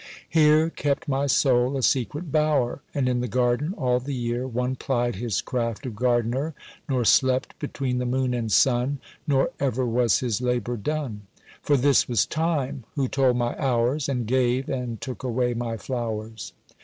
Here kept my soul a secret bower; And in the garden all the year One plied his craft of gardener, Nor slept between the moon and sun, Nor ever was his labour done; For this was Time who told my hours And gave, and took away, my flowers.